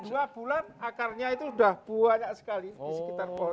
dua bulan akarnya itu sudah banyak sekali di sekitar pohon